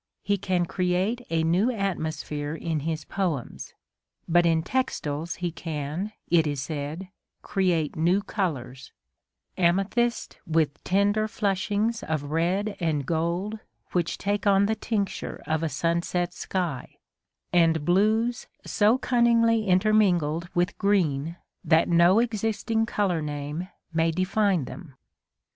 He can create a new atmosphere in his poems ; but in textiles he can, it is said, create new colours : amethyst with tender flushings of red and gold which takes on the tincture of a sunset sky, and blues so cunningly intermingled with green that no existing colour name may define them.